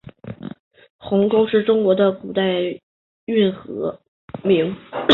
鸿沟是中国的古运河名。